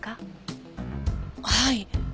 はい。